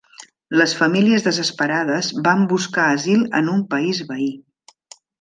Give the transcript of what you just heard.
Les famílies desesperades van buscar asil en un país veí.